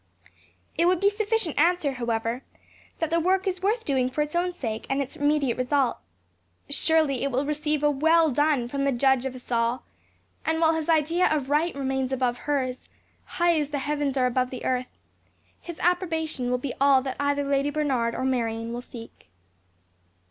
It would be sufficient answer, however, that the work is worth doing for its own sake and its immediate result. Surely it will receive a well done from the Judge of us all; and while his idea of right remains above hers, high as the heavens are above the earth, his approbation will be all that either Lady Bernard or Marion will seek.